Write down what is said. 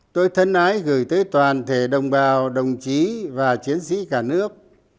tôi thân ái gửi tới toàn thể đồng bào đồng chí và chiến sĩ cả nước